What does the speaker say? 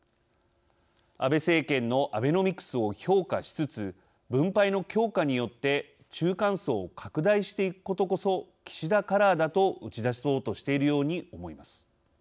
安倍政権のアベノミクスを評価しつつ分配の強化によって中間層を拡大していくことこそ岸田カラーだと打ち出そうとしているように思います。